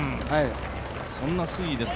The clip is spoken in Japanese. そんな推移ですね。